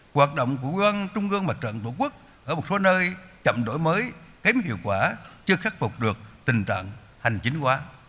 hoạt động của quân trung ương mặt trận tổ quốc ở một số nơi chậm đổi mới khém hiệu quả chưa khắc phục được tình trạng